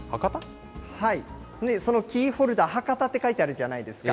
そのキーホルダー、博多って書いてあるじゃないですか。